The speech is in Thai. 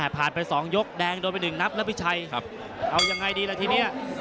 ผ่านไป๒ยกแดงโดนไป๑นับนะพี่ชัยเอายังไงดีล่ะทีนี้